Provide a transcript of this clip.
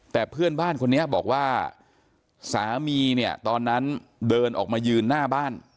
แต่เพื่อนบ้านคนนี้บอกว่าสามีเนี่ยตอนนั้นเดินออกมายืนหน้าบ้าน